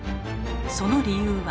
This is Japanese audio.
その理由は。